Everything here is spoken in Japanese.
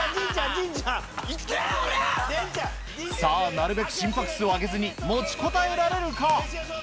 なるべく心拍数を上げずに持ちこたえられるか？